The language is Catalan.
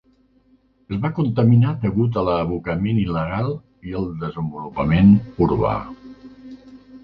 Es va contaminar degut a l'abocament il·legal i el desenvolupament urbà.